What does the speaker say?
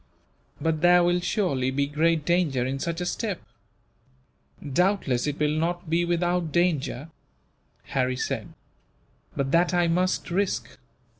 "But there will surely be great danger in such a step?" "Doubtless it will not be without danger," Harry said, "but that I must risk.